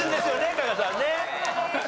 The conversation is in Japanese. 加賀さんね。